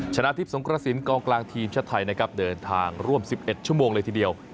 ชนะทิพย์สงกระสินกองกลางทีมชาติไทยนะครับเดินทางร่วม๑๑ชั่วโมงเลยทีเดียว